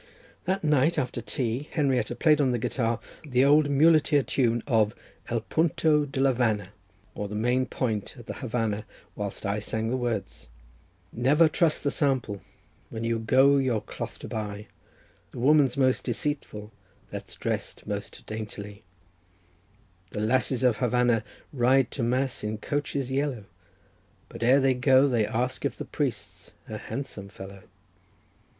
That night, after tea, Henrietta played on the guitar the old muleteer tune of "El Punto de la Vana," or the main point at the Havanna, whilst I sang the words:— "Never trust the sample when you go your cloth to buy: The woman's most deceitful that's dressed most daintily, The lasses of Havanna ride to mass in coaches yellow, But ere they go they ask if the priest's a handsome fellow.